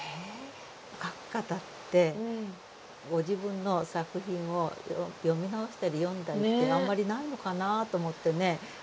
書く方ってご自分の作品を読み直したり読んだりってあんまりないのかなと思ってね